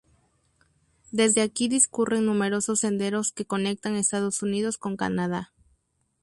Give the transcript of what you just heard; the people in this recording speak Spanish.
Desde aquí discurren numerosos senderos que conectan Estados Unidos con Canadá.